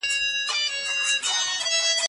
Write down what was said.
د کندهار شیدې او مستې ولې خوندوري دي؟